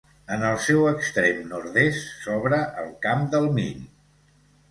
En el seu extrem nord-est s'obre el Camp del Mill.